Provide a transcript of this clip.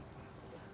itu yang aku lihat